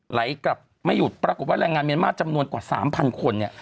ไหลกลับไม่หยุดปรากฏว่าแรงงานเมียนมาสจำนวนกว่า๓๐๐คนเนี่ย